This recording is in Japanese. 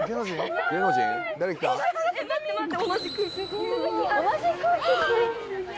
待って待って。